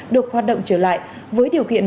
được hoạt động trở lại với điều kiện